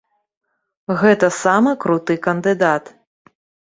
Гэта самы круты кандыдат.